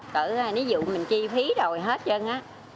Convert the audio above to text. cỡ nếu dụ mình chi phí rồi hết chân á